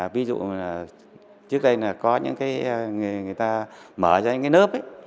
ví dụ là trước đây là có những cái người người ta mở ra những cái nớp ấy